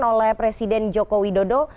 oleh presiden joko widodo